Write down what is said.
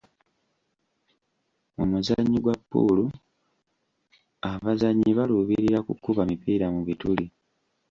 Mu muzannyo gwa puulu, abazannyi baluubirira kukuba mipiira mu bituli.